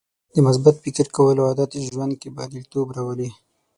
د مثبت فکر کولو عادت ژوند کې بریالیتوب راولي.